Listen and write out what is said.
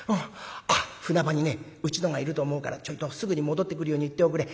あっ船場にねうちのがいると思うからちょいとすぐに戻ってくるように言っておくれ。